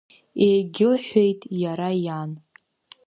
Иегьылҳәеит Иара Иан…